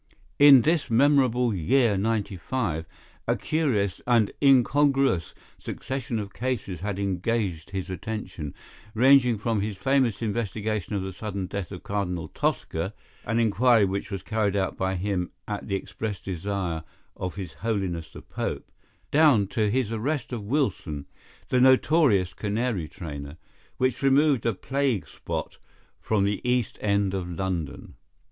In this memorable year '95, a curious and incongruous succession of cases had engaged his attention, ranging from his famous investigation of the sudden death of Cardinal Tosca—an inquiry which was carried out by him at the express desire of His Holiness the Pope—down to his arrest of Wilson, the notorious canary trainer, which removed a plague spot from the East End of London.